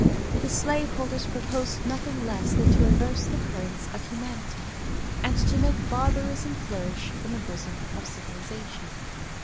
The slaveholders proposed nothing less than to reverse the currents of humanity, and to make barbarism flourish in the bosom of civilization.